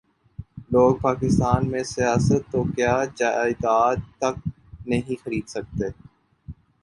لوگ پاکستان میں سیاست تو کیا جائیداد تک نہیں خرید سکتے